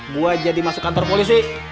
gue jadi masuk kantor polisi